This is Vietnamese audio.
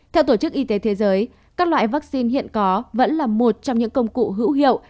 theo tổ chức y tế thế giới các loại vaccine hiện có vẫn là một trong những công cụ hữu hiệu